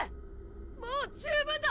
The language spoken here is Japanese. もう十分だ！！